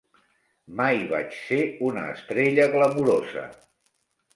Mai vaig ser una estrella glamurosa..